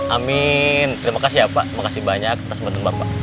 amin terima kasih ya pak makasih banyak atas bantuan bapak